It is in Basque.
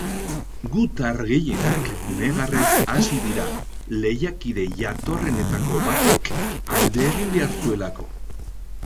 Gutar gehienak negarrez hasi dira, lehiakide jatorrenetako batek alde egin behar zuelako.